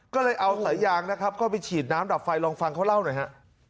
ก็เลยเอาสายยางนะครับเข้าไปฉีดน้ำดับไฟลองฟังเขาเล่าหน่อยฮะ